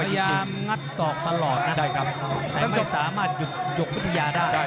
พยายามงัดศอกตลอดนะแต่ไม่สามารถหยุดยกพุทธยาได้